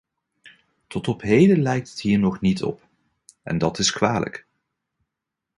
Tot op heden lijkt het hier nog niet op, en dat is kwalijk.